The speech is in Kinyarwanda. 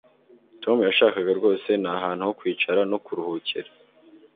Tom yashakaga rwose ni ahantu ho kwicara no kuruhukira